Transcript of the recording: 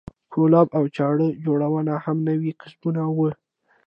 کولپ او چړه جوړونه هم نوي کسبونه وو.